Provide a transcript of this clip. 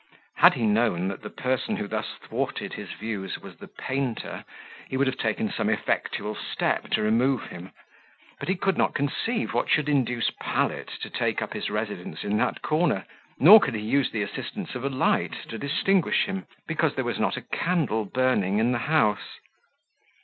Had he known that the person who thus thwarted his views was the painter, he would have taken some effectual step to remove him; but he could not conceive what should induce Pallet to take up his residence in that corner; nor could he use the assistance of a light, to distinguish him, because there was not a candle burning in the house.